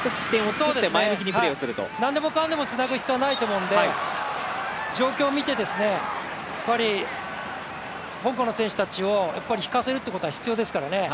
何でもかんでもつなぐ必要はないと思うんで、状況を見て、香港の選手たちを引かせるってことは必要ですから。